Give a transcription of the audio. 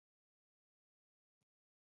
د نخودو د کرلو وخت کله دی؟